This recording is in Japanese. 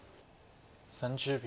３０秒。